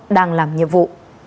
đang làm nhiệm vụ